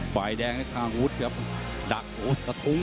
ด้านอันทางอันทาง